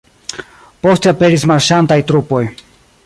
Poste aperis marŝantaj trupoj.